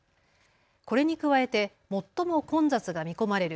これに加えて最も混雑が見込まれる